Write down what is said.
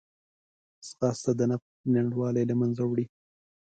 ځغاسته د نفس لنډوالی له منځه وړي